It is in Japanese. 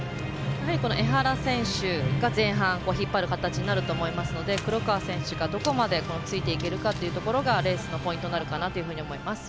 江原選手が前半引っ張る形になると思いますので黒川選手が、どこまでついていけるかというところがレースのポイントになるかなと思います。